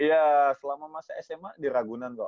iya selama sma di ragunan kok